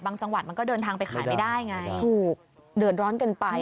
บางจังหวัดมันก็เดินทางไปขายไม่ได้ไงไม่ได้ถูกเดินร้อนกันไป